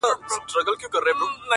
ښوونځی اکاډیمی پوهنتونونه-